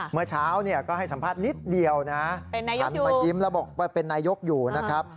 เมื่อเช้าก็ให้สัมภาษณ์นิดเดียวนะหันมายิ้มแล้วบอกว่าเป็นนายกอยู่นะครับ